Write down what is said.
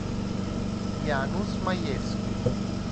Janusz Majewski